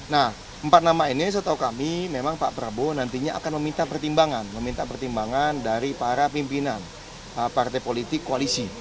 nah empat nama ini setahu kami memang pak prabowo nantinya akan meminta pertimbangan meminta pertimbangan dari para pimpinan partai politik koalisi